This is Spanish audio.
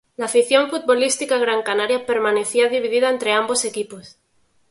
La afición futbolística grancanaria permanecía dividida entre ambos equipos.